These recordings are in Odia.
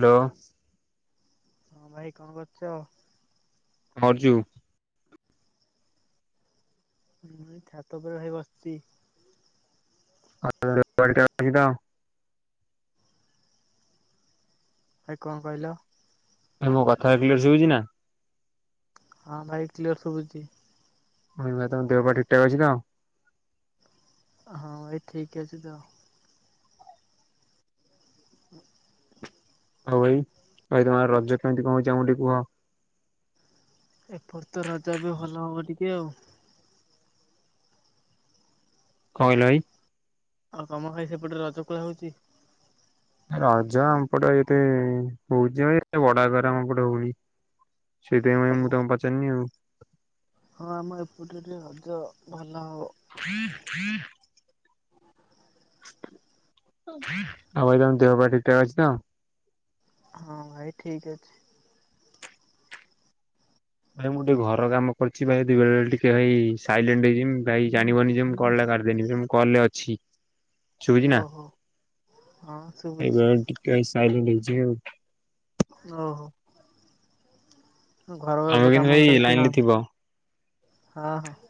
ହାଲୋ। ହଁ ଭାଇ କଣ କରୁଚ? [unintelligible] ମୁଁ ଏଇ ଛାତ ଉପରେ ଭାଇ ବସିଚି। [inaudible] ଭାଇ କଣ କହିଲ? ଭାଇ ମୋ କଥାଟା କ୍ଲିଆର ଶୁଭୁଚି ନା? ହଁ ଭାଇ କ୍ଲିୟର ଶୁଭୁଚି। ମୁଁ କହିଲି ଭାଇ ତମ ଦେହପା ଠିକ୍ ଠାକ୍ ଅଛି ତ? ହଁ ଭାଇ ଠିକ୍ ଅଛି ତ। ହଁ। ଆଉ ଭାଇ ଭାଇ ତୋମର ରଜ କେମିତି କଣ ହୋଉଚି ଆମକୁ ଟିକେ କୁହ? ଏପଟେ ତ ରଜ ଏବେ ଭଲ ହବ ଟିକେ ଆଉ କଣ କହିଲ ଭାଇ? ଆଉ ତୋମ ଭାଇ ସେପଟରେ ରଜ କରା ହଉଚି? ରଜ ଆମପଟେ ଏତେ ହଉଚି ହଁ ଏତେ ବଡ ଆକାରରେ ଆମ ପଟେ ହଉନି। ସେଇଥିପାଇଁ ଭାଇ ଓ ମୁଁ ତୋମକୁ ପଚାରିନି ଆଉ। ହଁ ଆମ ଏପଟରେ ଟିକେ ରଜ ଭଲ ହବ। ଫଥାଇଁ ଫଥାଇଁ [inaudible] ଆଉ ଭାଇ ତୋମ ଦେହପା ଠିକ ଠାକ ଅଛି ତ? ହଁ ଭାଇ ଠିକ୍ ଅଛି। ଭାଇ ମୁଁ ଟିକେ ଘର କାମ କରିଛି ଭାଇ ଦି ବେଳେ ବେଳେ ଟିକେ ଭାଇ ସାଇଲେଣ୍ଟ ହେଇଯିମି। ଭାଇ ଜାଣିବନି ଯେ ମୁଁ କଲ୍ ଟା କାଟିଦେନି ଯେ, ମୁଁ କଲ୍ ରେ ଅଛି। ଶୁଭୁଚି ନା? ଓହୋ ହଁ ଶୁଭୁଛି। ଏବେ ଟିକେ ସାଇଲେଣ୍ଟ ହେଇଯିମି ଆଉ। ଓହୋ, ଘର ତମେ ଏବେ କିନ୍ତୁ କାମ ଭାଇ ଲାଇନ ଚାଲିଚି ନା? ରେ ଥିବ ହଁ, ହଁ।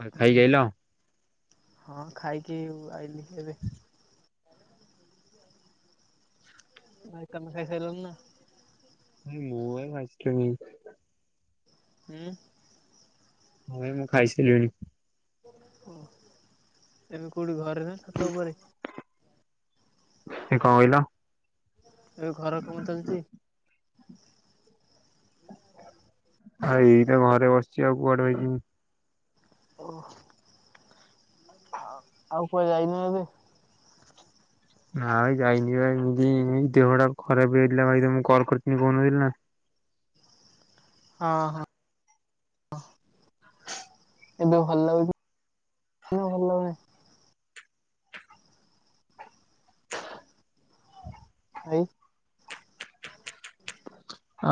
ଭାଇ ହଁ। ଖାଇକି ଆଇଲ? ହଁ ଖାଇକି ଆଇଲିି ଏବେ। ଭାଇ ତୋମେ ଖାଇସାଇଲଣି ନା? ହେ ମୁଁ ଏ [unintelligible] ହୁଁ। ହଁ ଏ ମୁଁ ଖାଇସାରଲିଣି। ଓ, ଏବେ କୋଉଠି ଘରେ ନା ଛାତ ଉପରେ? ଏ କଣ କହିଲ? ଏ ଘର କାମ ଚାଲିଚି? ଆଉ ଏଇ ତ ଘରେ ବସିଛି ଆଉ କୁଆଡେ ଭାଇ ଯିମି। ଓଃ, ଆଉ କୁଆଡେ ଯାଇନ ଏବେ? ନାଇ ଯାଇନି ପା ଏଇ ମୁଭି ମୁଇଁ ଦେହ ଟା ଖରାପ ହେଇ ହେଇଥିଲା ଭାଇ ରେ ମୁଁ କଲ୍ କରିଥିନି କହୁ ନଥିଲି ନା। ହଁ, ହଁ। ଏବେ ଭଲ ଲାଗୁଛି ନା ଭଲ ଲାଗୁନି? [unintelligible]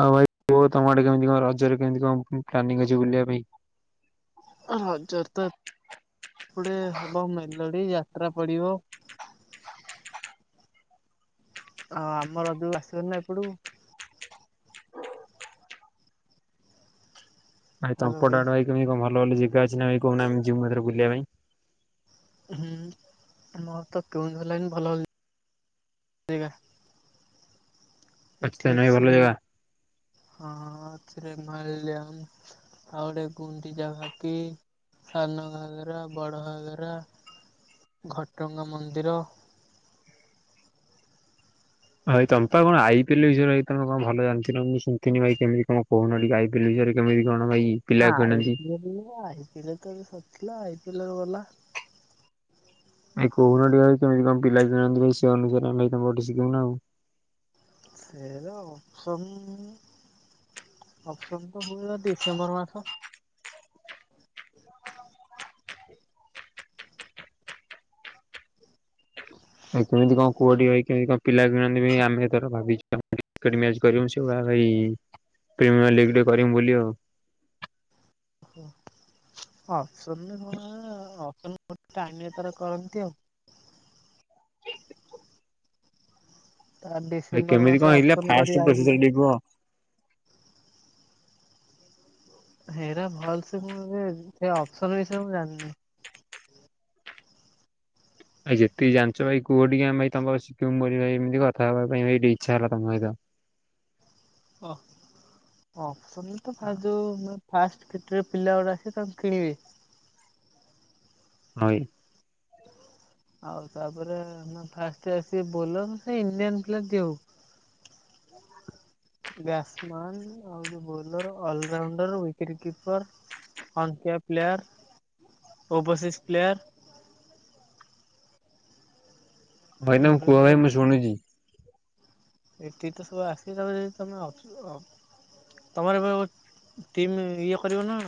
ଆଉ ଭାଇ କୁହ ତୋମ ଆଡେ କେମିତି କଣ ରଜରେ କେମତି କଣ ପ୍ଲାନିଂ ଅଛି ବୁଲିବା ପାଇଁ? ଓହୋ, ରଜ ରେ ତ ଏପଟେ ହବ ମେଲଡି ଯାତ୍ରା ପଡିବ। ଅ, ଆମ ରଜ କୁ ଆସିବ ନା ଏପଟକୁ? ଭାଇ ତୋମ୍ ପଟ ଆଡେ ଭାଇ କେମତି କଣ ଭଲ ଭଲ ଜାଗା ଅଛି ଭାଇ କହୁନ ଆମେ ଯିମୁ ଏଥର ବୁଲିବା ପାଇଁ? ହୁଁ, ମୋର ତ କେଉଁଝର ଲାଇନ୍ ଭଲ ଭଲ ଜାଗା ଅଛି ତାନେ ଭାଇ ଭଲ ଜାଗା? ହଁ, ହଁ ଅଛି ରେ ମଲ୍ୟମ୍ ଆଉ ଗୋଟେ ଗୁଣ୍ଡିଚାଘାକି ସାନ ଘାଗରା ବଡ ଘାଗରା। ଘଟଗାଁ ମନ୍ଦିର। ଭାଇ ତୋମ ପା କଣ ଆଇପିଏଲ୍ [unintelligible] ତୋମେ କଣ ଭଲ ଜାଣିଥିଲ ମୁଁ ଶୁନଥିନି, ଭାଇ କେମିତି କଣ କହୁନ ଟିକେ ଆଇ ବିଲୁ ସାରେ କେମିତି କଣ ଭାଇ ପିଲା କିଣନ୍ତି? ଆଇପିଏଲ୍ ନୁହଁ ଆଇପିଏଲ୍ ରେ ତ ଏବେ ସରଥିଲା ଆଇପିଏଲ୍ ର ଗଲା। ଭାଇ କହୁନ ଟିକେ ଭାଇ କେମଇତି କଣ ପିଲା ଜାଣନ୍ତୁ ଭାଇ ସେ ଅନୁସାରେ ଆମେ ଭାଇ ତାଙ୍କଠୁ ଶିଖିବୁ ନା ଆଉ? ସେଇରା ଅପସନ୍। ଅପସନ ତ ହୁଏ ଡିସେମ୍ବର ମାସ। ଭାଇ କେମିତି କଁ କୁହ ଟିକେ ଭାଇ କେମତି କଁ ପିଲା ବି ମାନି ବେନି ଆମେ ଏଥର ଭାବିଚୂ [unintelligible] [unintelligible] କୁହ ଅପସନ ରେ କଣ ଆଁ ଅପ୍ସନ୍ ଟାଇମ ରେ ତାର କରନ୍ତି ଆଉ। ତା ଭାଇ ଡିସେମ୍ବର କେମିତି ମାସ କଁ ହେଇଥିଲା ଅପସନ୍ କରି ଫାଷ୍ଟ ଆଇଚି ପ୍ରୋସିଜିଅର ଟିକେ କୁହ। ହେରା ଭଲ ସେ ମୁଁ ବି ସେ ଅପସନ ବିଷୟରେ ମୁଁ ଜାଣିନି। ଭାଇ ଯେତିକି ଜାଣିଛ ଭାଇ କୁହ ଟିକେ ଆମେ ଭାଇ ତମ ପାଖରୁ ଶିଖିବୁ ମୋରି ଭାଇ ଏମିତି କଥା ହବା ପାଇଁ ଟିକେ ଇଚ୍ଛା ହେଲା ତମ ସହିତ। ଓ ଅପସନ ରେ ତ ଫାଷ୍ଟ ଯୋଉ ମାନେ ଫାସ କେତେ ଯୋଉ ପିଲା ଗୁଡା ଆସିବେ ତାଙ୍କୁ କିଣିବେ। ହଁ ଭାଇ। ଆଉ ତାପରେ ମାନେ ଫାଷ୍ଟ ଆସିବେ ବୋଲର ସେ ଇଣ୍ଡିଆନ ପ୍ଲେଆର ଯିଏ ହଉ। ବ୍ୟାଟ୍ସ ମାନ୍ ଆଉ ଯୋଉ ବୋଲର ଅଲରାଉଣ୍ଡର ୱିକେଟ୍ କିପର। ହନ୍ କେଆ ପ୍ଲେୟାର ଓବସିସ୍ ପ୍ଲେୟାର। ଭାଇ ତମେ ଏଗୁରା କୁହ ସବୁ ଭାଇ ମୁଁ ଶୁଣିଛି। ଏତିକି ତ ସବୁ ଆସିିବେ ତାଫରେ ଯଦି ତମେ ଅପ୍ସ ଅପ୍ ତୁମର ଏବେ ଟିମ୍ ଇଏ କରିବ ନା।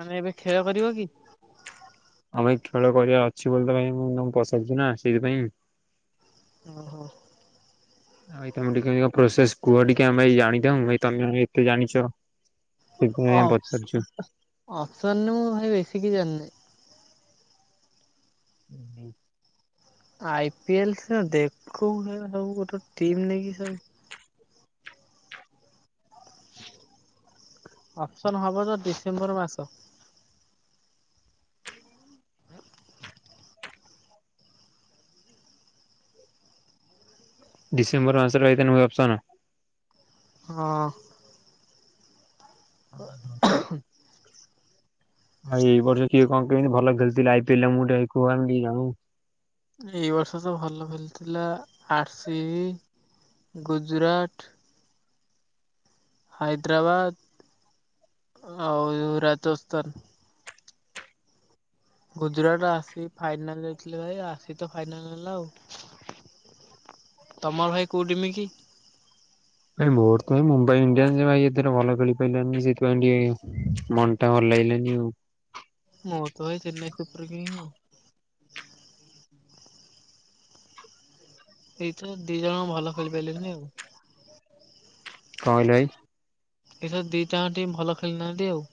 ମାନେ ଏବେ ଖେଳ କରିବ କି। ହଁ ଭାଇ ଖେଳ କରିବାର ଅଛି ବୋଲି ତ ଭାଇ ମୁଁ ତମକୁ ପଚାରୁଛି ନା ସେଇଥିପାଇଁ। ଓ ହୋ। ଭାଇ ତମେ ଟିକେ କେମିତି କଁ ପ୍ରୋସେସ କୁହ ଟିକେ ଆମେ ଭାଇ ଜାଣିଥାଉ ଭାଇ ତମେ ଏତେ ଜାଣିଛ। ସେଥିପାଇଁ ଅପସ୍ ପଚାରୁଛୁ ଅପସନ ରେ ମୁଁ ଭାଇ ବେଶୀ କିଛି ଜାଣିନି। ଉଁ ହୁଁ। ଆଇ ପି ଏଲ ସିନା ଦେଖୁ ସେଗୁଡା ସବୁ ଗୋଟେ ଟିମ ନେଇକି ସବୁ। ଅପସନ୍ ହବ ତ ଡିସେମ୍ବର ମାସ। ଡିସେମ୍ବର ମାସରେ ଯାଇକିନି ହୁଏ ଅପ୍ସନ୍। ହଁ। [inaudible] ଆଉ ଏଇ ବର୍ଷ କିଏ କଁ କେମିତି ଭଲ ଖେଳିଥିଲେ ଆଇ ପି ଏଲ ଆମ କୁ ଟିକେ ଭାଇ କୁହ ଆମେ ଟିକେ ଜାଣୁ। ଏଇ ବର୍ଷ ତ ଭଲ ଖେଳିଥିଲା ଥିଲା ଆରସି ଗୁଜୁରାଟ। ହାଇଦ୍ରାବାଦ ଆଉ ଏ Rajasthan. Gujarat R C final ଯାଇଥିଲେ ଭାଇ ଆର ସି ତ ଫାଇନାଲ ନେଲା ଆଉ। ତମର ଭାଇ କୋଉ ର ଟିମି କି। ଭାଇ ମୋର ତ ଭାଇ ମୁମ୍ବାଇ ଇଣ୍ଡିଆନ୍ ସେ ଭାଇ ଏଥିରେ ଭଲ ଖେଳି ପାଇଲାନି ସେଥିପାଇଁ ଟିକ ମନ ଭଲ ଲାଗିଲାନି ଆଉ। ମୋର ତ ଭାଇ ଚେନ୍ନାଇ ସୁପର କିଙ୍ଗ ଆଉ। ଏଇ ତ ଦି ଜଣ ଭଲ ଖେଳି ପାଇଲେନି ଆଉ। କଁ କହିଲେ ଭାଇ। ଏଥର ଦି ଟା ଆଙ୍କ ଟିମ ଭଲ ଖେଳିନାହାନ୍ତି ଆଉ।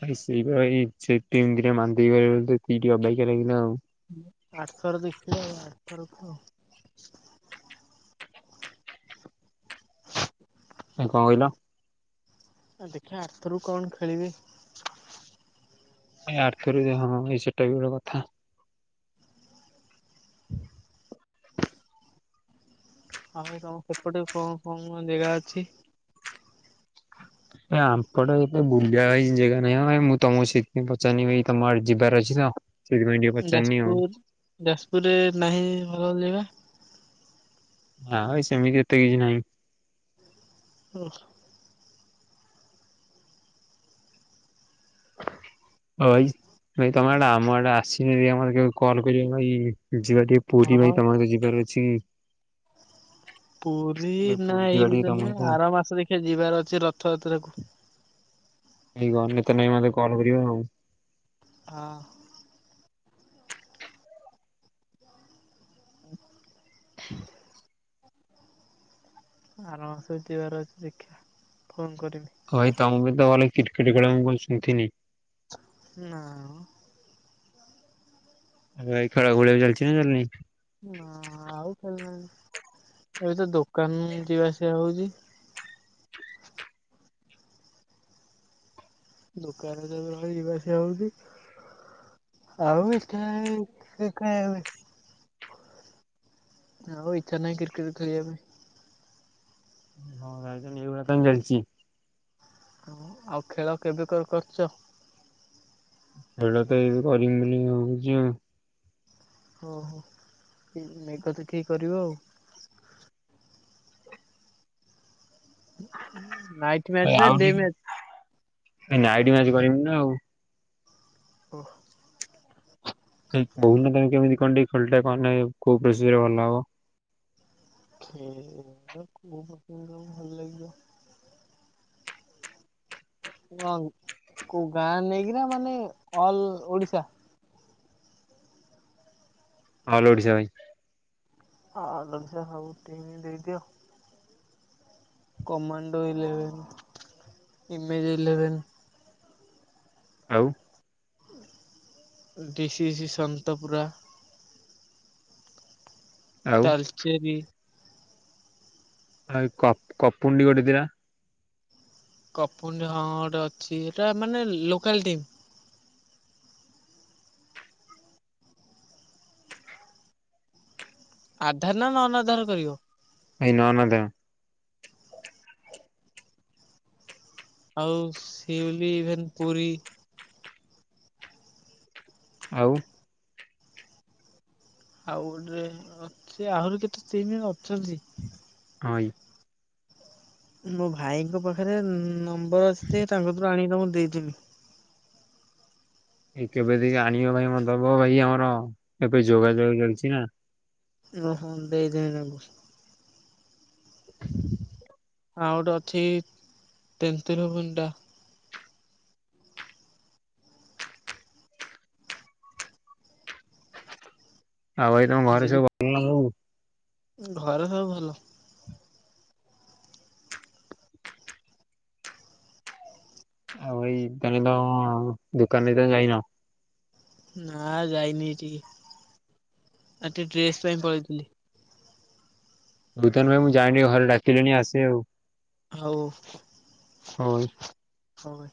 ଭାଇ ସେଇ ଭଳିଆ ଏଇ ସେ ଟିମ୍ ଦି ଟା ମାନ୍ଦେଇ ଗଲେ ବୋଲି ତ ଟିକେ ଅବାଗିଆ ଲାଗିଲା ଆଉ। ହୁଁ ଆର ଥର ଜିତିଥିଲେ ଆଉ ଆର ଥରକୁ ଆଉ। ଭାଇ କଁ କହିଲ। ଆ ଦେଖିବା ଆରଥରକୁ କଣ ଖେଳିବେ। ଭାଇ ଆରଥରକୁ ଦେଖିବା ହଁ ଭାଇ ସେଟା ବି ଗୋଟେ କଥା। ଆଁ ଏ ତମ ସେପଟେ କଣ କଣ କଣ ଜାଗା ଅଛି? ଏ ଆମ୍ପଟେ ଏତେ ବୁଲିବା ଭାଇ ଜାଗା ନାହିଁ ଭାଇ ମୁଁ ତମକୁ ସେଥିପାଇଁ ପଚାରିନି ତମ ଆଡେ ଯିବାର ଅଛି ତ। ସେଇଥିପାଇଁ ଟିକେ ପଚାରିନି ଆଉ। ଯାଜପୁର ଯାଜପୁରରେ ନାହିଁ ଭଲ ଲ ଜାଗା? ହଁ ଭ ସେମିତି ଏତେ କିଛି ନାହିଁ। ହୋ। [unintelligible] ନାଇଁ ତମେ ଆଡେ ଆମ ଆଡେ ଆସିନେ ଆମର କଲ୍ କରିବ ଭ ଯିବା ଟିକେ ପୁରୀ ହଁ ଭାଇ ତମର ଯିବାର ଅଛି। ପୁରୀ ଭାଇ ନା ପୁରୀ ଏଇ ଯିବା ଟିକେ ଭିତରେ ତମ ସହିତ ନୁହେଁ ଆର ମାସ ଦେଖିବା ଯିବାର ଅଛି ରଥଯାତ୍ରା କୁ। ହେଇ ଗନେ ତମେ ମତେ କଲ କରିବ ଆଉ। ହଁ। ହ ହୁଁ ଆର ମାସ ଯିବାର ଅଛି ଦେଖିଆ ଫୋନ କରିବି। ହ ଭାଇ ତମ ବି ତ ଭଲ କ୍ରିକେଟ ଖେଳ ମୁଁ କଣ ଶୁଣିଥିନି। ନାଁ। ଉ ଭାଇ ଖେଳ ଖୁଳିଆ ବି ଚାଲିଚି ନା ଚାଲିନେଇଁ? ନା ଆଉ ଖେଳୁନାଇଁ। ଏବେ ତ ଦୋକାନ ଯିବା ଆସିବା ହଉଚି। ଦୋକାନରେ ଯ ଭଳି ଯିବାସିବା ହଉଚି। [unintelligible] ଆଉ ଇଚ୍ଛା ନାହିଁ କ୍ରିକେଟ ଖେଳିବା ପାଇଁ। ହଁ ଭାଇ ଏଇଭଳିଆ ତାନେ ଚାଲିଚି। ହ ଆଉ ଖେଳ କେବେ କ କରୁଚ? ଭେଳ ତ ଏବେ କରିମି [unintelligible] ବୋଲି ହଉଚି ଆଉ। ହଉ ହଉ ମେଘ ଦେଖିକି କରିବ ଆଉ। ନାଇଟ୍ ମ୍ୟାଚ୍ ନା ଆଉ ଡେ ମ୍ୟାଚ୍? ଟିକେ ନାଇଟି ମ୍ୟାଚ କରିବି ନା ଆଉ। ଓହ। କହୁନ ତମେ କେମିତି କଣ ଟ ଖେଳଟା କହେ କୋଉ ପ୍ରସ ରେ ଭଲ ହବ। [unintelligible] ଭଲ ଲାଗିବ। ହ କୋଉ ଗାଁ ନେଇକିନା ମାନେ ଅଲ ଓଡିଶା? ଅଲ ଓଡିଶା ଭାଇ। [unintelligible] ଦେଇଦିଅ। Commando eleven image eleven. ଆଉ। ଡିସିି ସି ସନ୍ତପୁରା। ଆଉ ତାଲଚେରି। କ କପୁଣ୍ଡି ଗଟେଥିଲା? କପୁନ ହିଁ ଗୋଟେ ଅଛି ସେଇଟା ମାନେ ଲୋକାଲ ଟିମ୍। ଆଧାର ନା ନନ ଆଧାର ରେ କରିବ? ନାଇଁ ନନ୍ ଆଧାର। ଆଉ [unintelligible] ଇଭେନ୍ ପୁରୀ। ଆଉ? ଆଉ ଗୋଟେ ଅଛି ଆହୁରି କେତେ ଟିମ ଅଛନ୍ତି। ଅଁ ଇ। ମୋ ଭାଇଙ୍କ ପାଖରେ ନମ୍ବର ଅଛି ଯେ ତାଙ୍କଠାରୁ ଆଣି କି ତମକୁ ଦେଇଦେବି। ଏ କେବେ ଟିକେ ଆଣିବ ଭାଇ ମତେ ଦବ ଭାଇ ଆମର ଏବେ ଯୋଗାଯୋଗ ଚାଲିଚି ନା। ଓହୋ ଦେଇ ଦେବି ନବ ତାକୁ। [inaudible] ଆଉ ଗୋଟେ ଅଛି ତେନ୍ତିଲ ଭୁଣ୍ଡା। ଆଉ ଭାଇ ତମ ଘରେ ଯଦି ସବୁ ଭଲ ନା ସବୁ? ଘରେ ସବୁ ଭଲ। ଆଉ ଭାଇ ତାହେନେ ତମ ଦୋକାନରେ ଏଯାଏ ଯାଇନ? ନା ଯାଇନି ହେଠିକି। ଆଜି ଟିକେ ଡ୍ରେସ୍ ପାଇଁ ପଳେଇଥିଲି। [unintelligible] ମୁଁ ଯାଏଁ ଟିକେ ଘରେ ଡାକିଲେଣି ଆସେ ଆଉ। ହଉ। ହଁ ଭାଇ। ହଁ ଭାଇ।